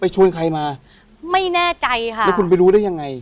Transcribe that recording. ชวนใครมาไม่แน่ใจค่ะแล้วคุณไปรู้ได้ยังไง